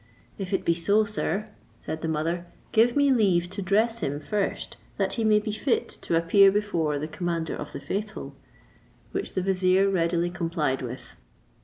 "If it be so, sir," said the mother, "give me leave to dress him first, that he may be fit to appear before the commander of the faithful:" which the vizier readily complied with.